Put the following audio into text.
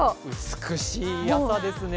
美しい朝ですね。